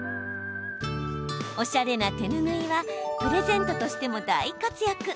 おしゃれな手ぬぐいはプレゼントとしても大活躍。